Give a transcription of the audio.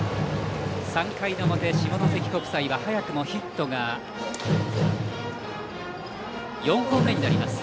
３回の表、下関国際は早くもヒットが４本目になります。